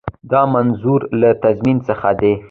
دا منظور له تضمین څخه دی.